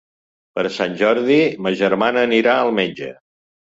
Per Sant Jordi ma germana anirà al metge.